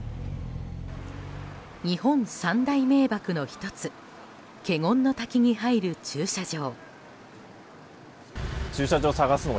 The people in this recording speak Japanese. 日本三大名瀑の１つ華厳の滝に入る駐車場。